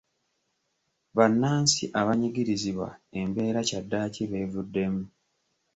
Bannansi abanyigirizibwa embeera kyaddaaki beevuddemu.